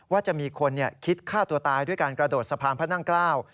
ว่าจะมีคนคิดฆ่าตัวตายด้วยการกระโดดสะพานพระนั่งเกล้า